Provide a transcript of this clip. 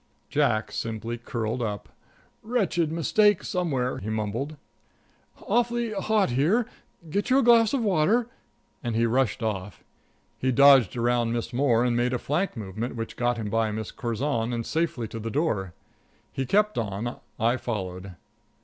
Jack simply curled up: "Wretched mistake somewhere," he mumbled. "Awfully hot here get you a glass of water," and he rushed off. He dodged around Miss Moore, and made a flank movement which got him by Miss Curzon and safely to the door. He kept on; I followed.